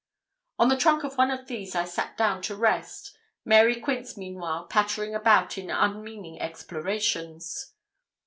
On the trunk of one of these I sat down to rest, Mary Quince meanwhile pattering about in unmeaning explorations.